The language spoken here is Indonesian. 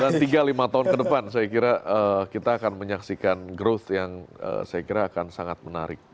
tiga lima tahun ke depan saya kira kita akan menyaksikan growth yang saya kira akan sangat menarik